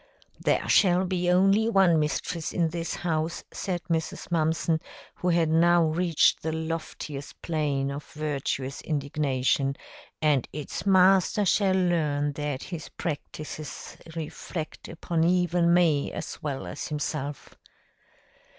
"There shall be only one mistress in this house," said Mrs. Mumpson, who had now reached the loftiest plane of virtuous indignation, "and its master shall learn that his practices reflect upon even me as well as himself."